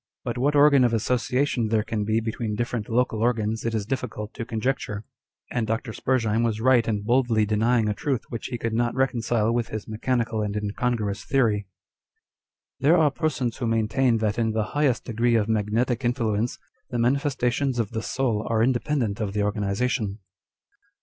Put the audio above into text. But what organ of association there can be between different local organs it is difficult to conjecture ; and Dr. Spurzheim was right in boldly denying a truth which he could not reconcile with his mechanical and incongruous theory. " There are persons who maintain that in the highest degree of magnetic influence, the manifestations of the soul are independent of the organization."